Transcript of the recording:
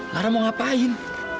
lara mau ngapain